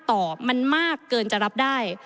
ต่อมันมากเกินจะรับได้